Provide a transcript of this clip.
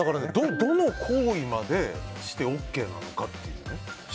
どの行為までしてＯＫなのかというね。